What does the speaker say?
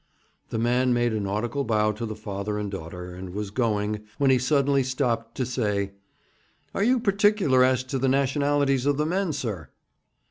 The man made a nautical bow to the father and daughter, and was going, when he suddenly stopped to say: 'Are you particular as to the nationalities of the men, sir?'